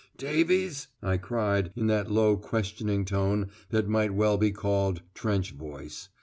"Davies," I cried, in that low questioning tone that might well be called "trench voice."